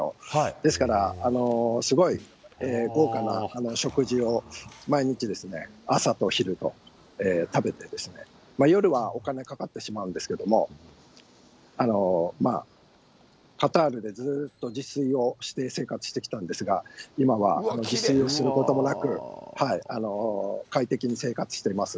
ですから、すごい豪華な食事を毎日ですね、朝と昼と食べて、夜はお金かかってしまうんですけども、カタールでずっと自炊をして生活してきたんですが、今は自炊をすることもなく、快適に生活しています。